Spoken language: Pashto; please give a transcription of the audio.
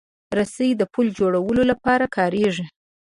رسۍ د پُل جوړولو لپاره کارېږي.